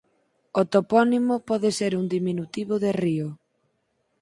O topónimo pode ser un diminutivo de "río".